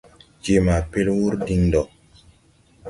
Je ma pel wuur diŋ ndo.